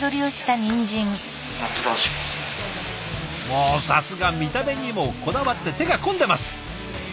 もうさすが見た目にもこだわって手が込んでます！